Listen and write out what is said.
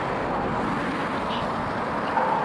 له ميرمني سره د چا لور په نکاح کي يوځای کول جائز دي؟